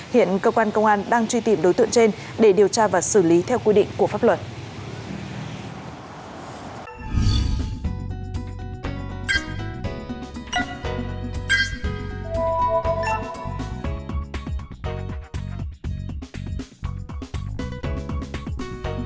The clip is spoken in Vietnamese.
hiện cơ quan công an đang truy tìm đối tượng trên để điều tra và xử lý theo quy định của pháp luật